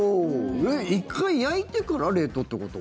１回焼いてから冷凍ってこと？